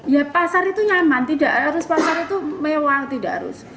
ya pasar itu nyaman tidak harus pasar itu mewah tidak harus